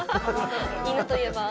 犬といえば。